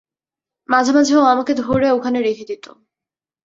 মাঝে মাঝে ও আমাকে ধরে ওখানে রেখে দিত।